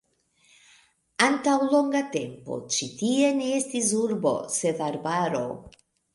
Antaŭ longa tempo ĉi tie ne estis urbo sed arbaro.